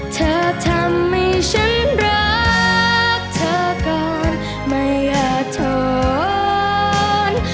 เธอทำให้ฉันรักเธอก่อนไม่อยากถอน